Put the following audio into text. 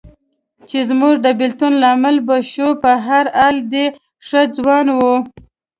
چې زموږ د بېلتون لامل به شوې، په هر حال دی ښه ځوان و.